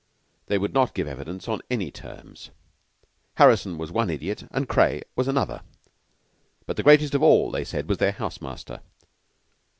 They would not give evidence on any terms. Harrison was one idiot, and Craye was another; but the greatest of all, they said, was their house master.